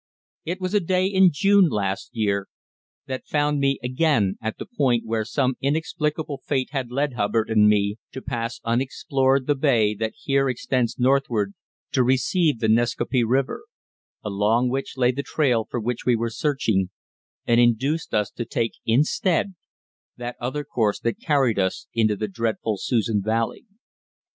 It was a day in June last year that found me again at the point where some inexplicable fate had led Hubbard and me to pass unexplored the bay that here extends northward to receive the Nascaupee River, along which lay the trail for which we were searching, and induced us to take, instead, that other course that carried us into the dreadful Susan Valley.